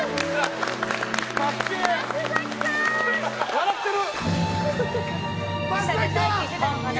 笑ってる！